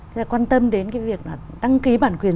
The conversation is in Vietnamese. thì quan tâm đến cái việc là đăng ký bản quyền